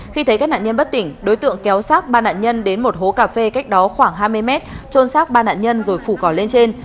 khi thấy các nạn nhân bất tỉnh đối tượng kéo sát ba nạn nhân đến một hố cà phê cách đó khoảng hai mươi mét trôn sát ba nạn nhân rồi phủ cỏ lên trên